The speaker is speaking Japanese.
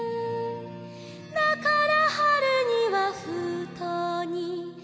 「だから春には封筒に」